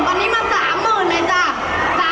ตอนนี้มา๓หมื่นเลยจ้า